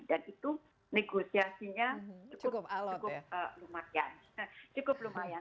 dan itu negosiasinya cukup lumayan